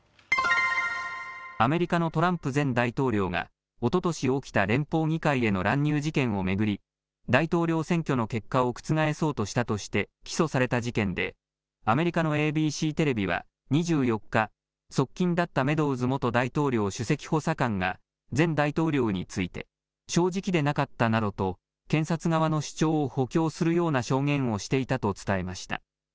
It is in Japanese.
アメリカのトランプ前大統領がおととし起きた連邦議会への乱入事件を巡り、大統領選挙の結果を覆そうとしたとして起訴された事件で、アメリカのＡＢＣテレビは２４日、側近だったメドウズ元大統領首席補佐官が前大統領について正直でなかったなどと検察側の主張を補強するような証言をしていたと伝えました。